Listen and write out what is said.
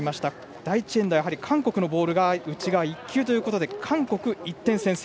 第１エンドは韓国のボールが内側、１球で韓国が１点先制。